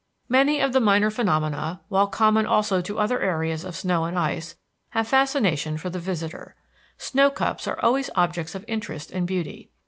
Many of the minor phenomena, while common also to other areas of snow and ice, have fascination for the visitor. Snow cups are always objects of interest and beauty.